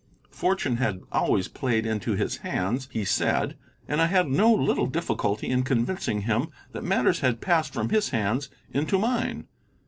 Fortune had always played into his hands, he said, and I had no little difficulty in convincing him that matters had passed from his hands into mine.